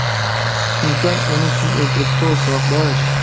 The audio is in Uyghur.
كىمكەن؟ ئۇنى كىم ئۆلتۈرۈپتۇ؟ » «ساۋاقداش!